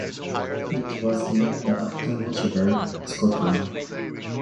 It was named after Lochaber, Scotland.